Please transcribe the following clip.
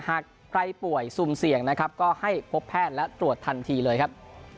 หากใครป่วยซุ่มเสี่ยงนะครับก็ให้พบแพทย์และตรวจทันทีเลยครับ